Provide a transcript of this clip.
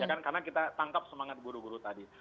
ya kan karena kita tangkap semangat guru guru tadi